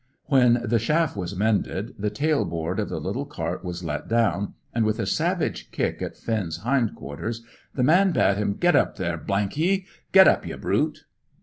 When the shaft was mended, the tail board of the little cart was let down, and, with a savage kick at Finn's hind quarters, the man bade him "Get up, there, ye! Get up, ye brute!"